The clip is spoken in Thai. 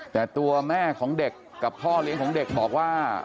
แต่ตัวแม่ของเด็กกับพ่อเลี้ยงของเด็กบอกว่า